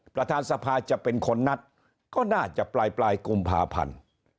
ประธานสภาจะเป็นคนนัดก็น่าจะปลายกุมภาพันธ์